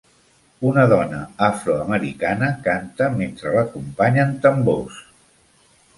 Una dona afroamericana canta mentre l'acompanyen tambors